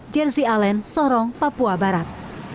jelsi allen sorong papua barat